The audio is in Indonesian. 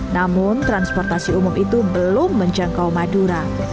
namun transportasi umum itu belum menjangkau madura